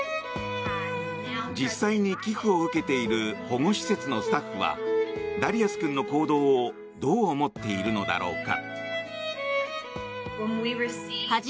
実際に寄付を受けている保護施設のスタッフはダリアス君の行動をどう思っているのだろうか。